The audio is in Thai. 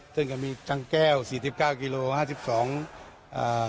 ซึ่งก็มีกังแก้วสี่สิบเก้ากิโลห้าสิบสองอ่า